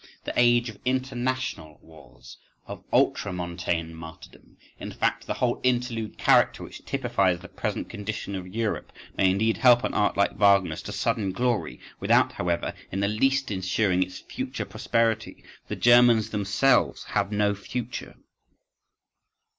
The age of international wars, of ultramontane martyrdom, in fact, the whole interlude character which typifies the present condition of Europe, may indeed help an art like Wagner's to sudden glory, without, however, in the least ensuring its future prosperity. The Germans themselves have no future.